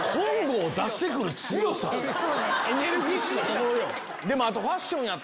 エネルギッシュなところよ。